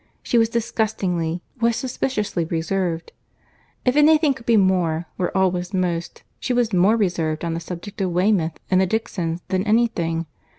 She was disgustingly, was suspiciously reserved. If any thing could be more, where all was most, she was more reserved on the subject of Weymouth and the Dixons than any thing.